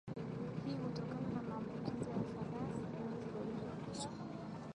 hii hutokana na maambukizi ya fangasi zinazoshambulia kucha